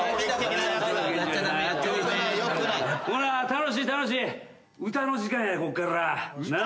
楽しい楽しい唄の時間やこっから。